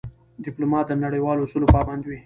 ډيپلومات د نړیوالو اصولو پابند وي.